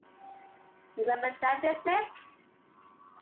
You remember that business?